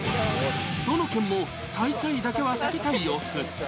どの県も最下位だけは避けたい様子。